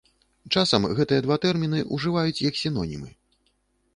Часам гэтыя два тэрміны ўжываюць як сінонімы.